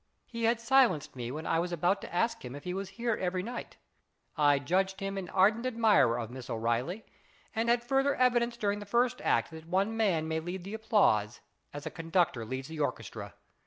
He had silenced me when I was about to ask him if he was here every night. I judged him an ardent admirer of Miss O'Reilly, and had further evidence during the first act that one man may lead the applause as a conductor leads the orchestra.